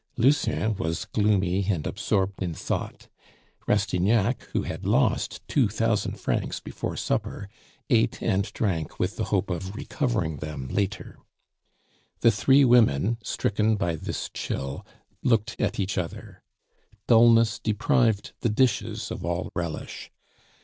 Lucien was gloomy and absorbed in thought; Rastignac, who had lost two thousand francs before supper, ate and drank with the hope of recovering them later. The three women, stricken by this chill, looked at each other. Dulness deprived the dishes of all relish.